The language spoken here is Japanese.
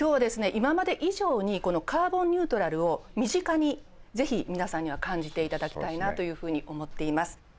今まで以上にこのカーボンニュートラルを身近に是非皆さんには感じていただきたいなというふうに思っています。